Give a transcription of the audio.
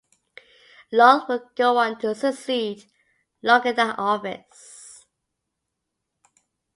Lull would go on to succeed Long in that office.